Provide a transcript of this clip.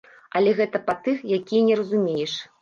Але гэта па тых, якія не разумееш.